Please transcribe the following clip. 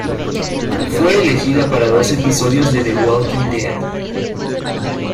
Fue elegida para dos episodios de "The Walking Dead".